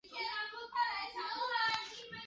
我看到吊桥了